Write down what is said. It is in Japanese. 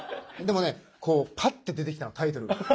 でもねパッて出てきたのタイトルが。